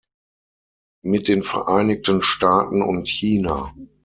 Mit den Vereinigten Staaten und China.